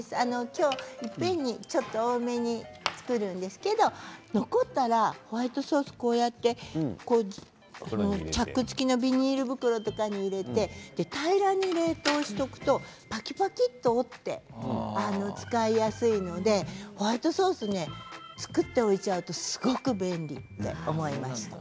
今日いっぺんに多めに作るんですけど残ったらホワイトソースこうやってチャック付きのビニール袋とかに入れて平らに冷凍しておくとぱきぱきっと折って使いやすいのでホワイトソース作っておいちゃうとすごく便利と思いました。